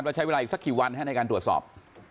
แล้วใช้เวลาอีกสักกี่วันในการตรวจสอบ